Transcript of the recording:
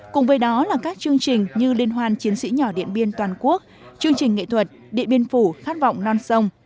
cùng với đó là các chương trình như liên hoan chiến sĩ nhỏ điện biên toàn quốc chương trình nghệ thuật điện biên phủ khát vọng non sông